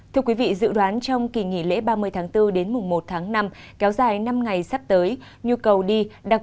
thưa quý vị dự đoán trong kỳ nghỉ lễ ba mươi tháng bốn đến mùng một tháng năm kéo dài năm ngày sắp tới